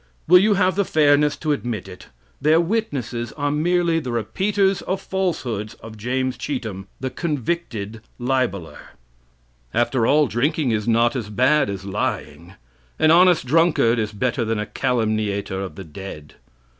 Will you have the fairness to admit it? Their witnesses are merely the repeaters of the falsehoods of James Cheetham, the convicted libeler. After all, drinking is not as bad as lying. An honest drunkard is better than a calumniator of the dead.